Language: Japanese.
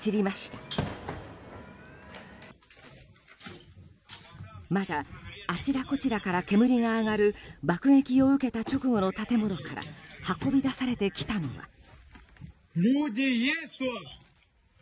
まだあちらこちらから煙が上がる爆撃を受けた直後の建物から運び出されてきたのは。